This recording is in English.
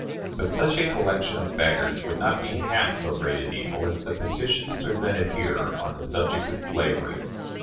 But such a collection of beggars would not be half so great an evil as the petitions presented here on the subject of slavery.